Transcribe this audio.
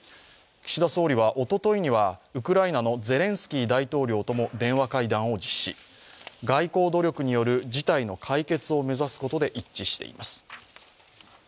岸田総理はおとといにはウクライナのゼレンスキー大統領とも電話会談を実施、外交努力による事態の解決を目指すことで一致しています。